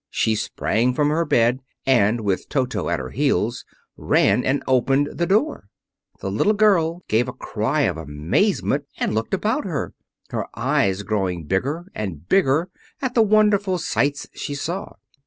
She sprang from her bed and with Toto at her heels ran and opened the door. The little girl gave a cry of amazement and looked about her, her eyes growing bigger and bigger at the wonderful sights she saw.